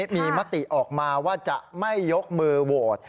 มีมติออกมาว่าจะไม่ยกมือโหวต